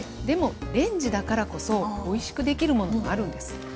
でもレンジだからこそおいしくできるものもあるんです。